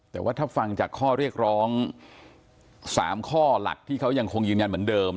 แต่ว่าถ้าฟังจากข้อเรียกร้อง๓ข้อหลักที่เขายังคงยืนยันเหมือนเดิม